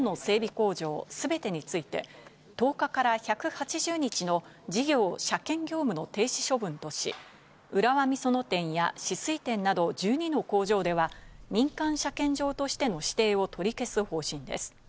工場全てについて、１０日から１８０日の事業・車検業務の停止処分とし、浦和美園店や酒々井店など１２の工場では民間車検場としての指定を取り消す方針です。